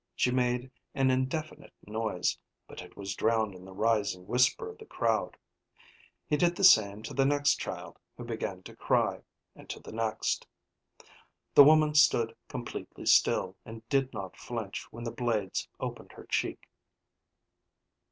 She made an indefinite noise, but it was drowned in the rising whisper of the crowd. He did the same to the next child who began to cry, and to the next. The woman stood completely still and did not flinch when the blades opened her cheek.